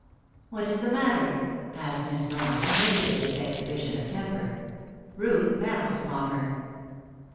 "What is the matter?" asked Miss Brawn, amazed at this exhibition of temper. Ruth pounced upon her.